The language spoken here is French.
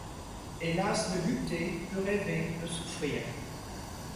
Et lasse de lutter, de rêver, de souffrir